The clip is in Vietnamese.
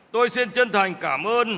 tôi xin chân thành cảm ơn